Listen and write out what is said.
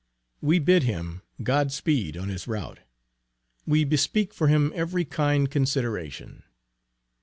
We bid him "God speed," on his route. We bespeak for him every kind consideration.